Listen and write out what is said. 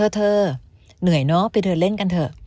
เธอเหนื่อยเนาะไปเดินเล่นกันเถอะ